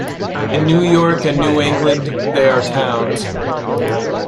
In New York and New England, they are towns.